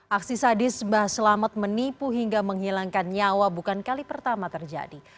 aksi sadis mbah selamat menipu hingga menghilangkan nyawa bukan kali pertama terjadi